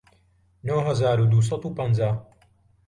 نۆ هەزار و دوو سەد و پەنجا